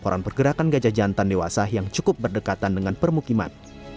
koran pergerakan gajah jantan dewasa yang cukup berdekatan dengan permukiman